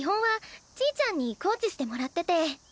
はちぃちゃんにコーチしてもらってて。